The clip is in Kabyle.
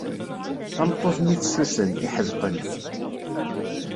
Tameṭṭut-nni fessusen, iḥedqen.